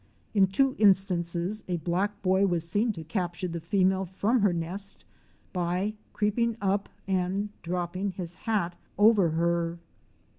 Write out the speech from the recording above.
In two instances, a black boy was seen to capture the female from her nest, by creeping up and dropping his hat over her.